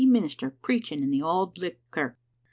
minister, preaching in the Auld Licht kirk."